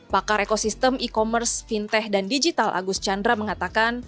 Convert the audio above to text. pakar ekosistem e commerce fintech dan digital agus chandra mengatakan